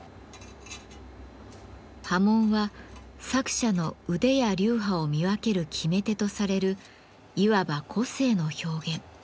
刃文は作者の腕や流派を見分ける決め手とされるいわば個性の表現。